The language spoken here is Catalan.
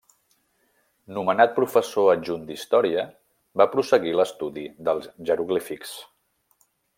Nomenat professor adjunt d'història, va prosseguir l'estudi dels jeroglífics.